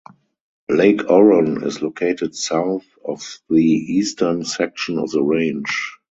Lake Oron is located south of the eastern section of the range.